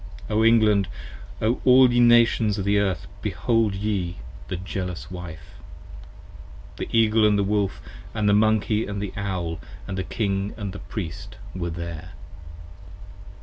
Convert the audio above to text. O England, O all ye Nations of the Earth behold ye the Jealous Wife! 27 The Eagle & the Wolf & Monkey & Owl & the King & Priest were there!